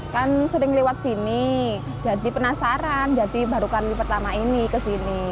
kan sering lewat sini jadi penasaran jadi baru kali pertama ini kesini